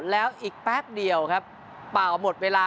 แล้วอีกแป๊บเดียวครับเปล่าหมดเวลา